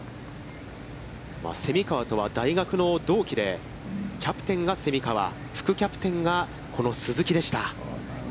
蝉川とは大学の同期で、キャプテンが蝉川、副キャプテンがこの鈴木でした。